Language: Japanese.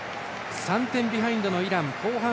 ３点ビハインドのイラン後半